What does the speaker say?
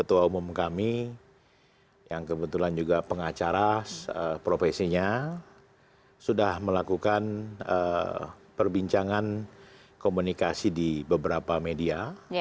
ketua umum kami yang kebetulan juga pengacara profesinya sudah melakukan perbincangan komunikasi di beberapa media